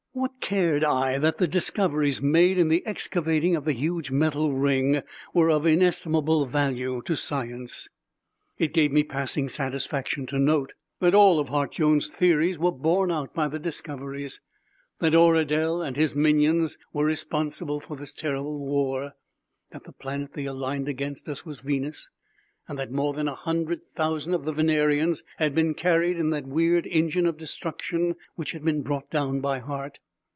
What cared I that the discoveries made in the excavating of the huge metal ring were of inestimable value to science? It gave me passing satisfaction to note that all of Hart Jones' theories were borne out by the discoveries; that Oradel and his minions were responsible for this terrible war; that the planet they aligned against us was Venus and that more than a hundred thousand of the Venerians had been carried in that weird engine of destruction which had been brought down by Hart.